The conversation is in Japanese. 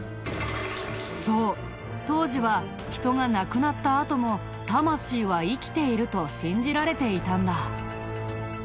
そう当時は人が亡くなったあとも魂は生きていると信じられていたんだ。